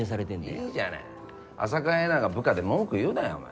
いいじゃない浅川恵那が部下で文句言うなよお前。